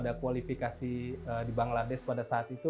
saya juga tidak menikah pada kualifikasi di bangladesh pada saat itu